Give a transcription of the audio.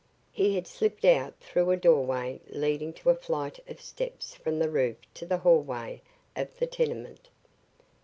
He had slipped out through a doorway leading to a flight of steps from the roof to the hallway of the tenement.